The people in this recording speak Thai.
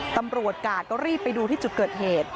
ตำรวจก่อนก็รีบไปดูที่จุดเกิด